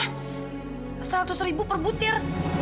seratus ribu per butir